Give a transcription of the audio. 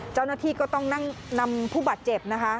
เจ้าหน้าที่ก็ต้องนั่งนำผู้บาดเจ็บนะคะ